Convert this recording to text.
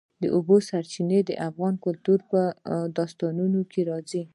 د اوبو سرچینې د افغان کلتور په داستانونو کې راځي.